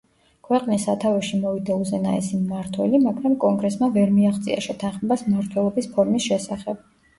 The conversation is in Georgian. ქვეყნის სათავეში მოვიდა უზენაესი მმართველი, მაგრამ კონგრესმა ვერ მიაღწია შეთანხმებას მმართველობის ფორმის შესახებ.